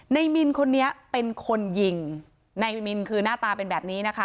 มินคนนี้เป็นคนยิงนายวินคือหน้าตาเป็นแบบนี้นะคะ